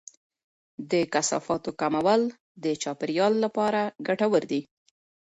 د کثافاتو کمول د چاپیریال لپاره ګټور دی.